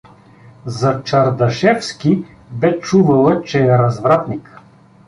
За Чардашевски бе чувала, че е развратник.